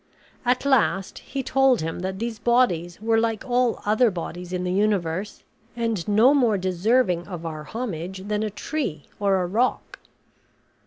At last he told him that these bodies were like all other bodies in the universe, and no more deserving of our homage than a tree or a rock.